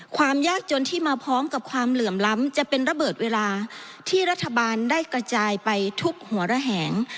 ความยากจนที่มาพร้อมกับความเหลื่อมล้ำจะเป็นระเบิดเวลาที่รัฐบาลได้กระจายไปทุกหัวระแหง